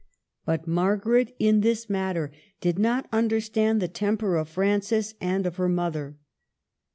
But Margaret, in this mat ter, did not understand the temper of Francis and of her mother.